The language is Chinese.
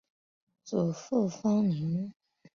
祖父方宁。